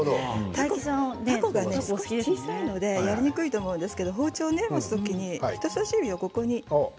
たこが少し小さいのでやりにくいと思うんですけれども包丁を持つ時に人さし指をここに。